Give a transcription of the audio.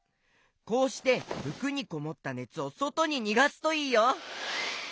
こうしてふくにこもったねつをそとににがすといいよ！